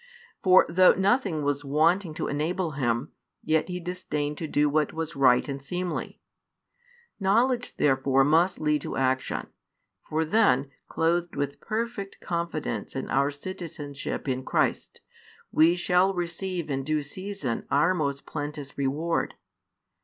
For though nothing was wanting to enable him, yet he disdained to do what was right and seemly. Knowledge therefore must lead to action: for then, clothed with perfect confidence in our citizenship in Christ, we shall receive in due season our most plenteous reward.